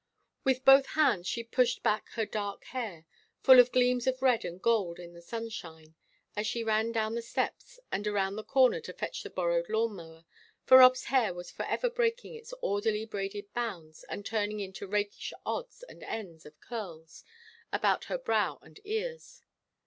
With both hands she pushed back her dark hair full of gleams of red and gold in the sunshine as she ran down the steps and around the corner to fetch the borrowed lawn mower, for Rob's hair was forever breaking its orderly braided bounds and turning into rakish odds and ends of curls about her brow and ears.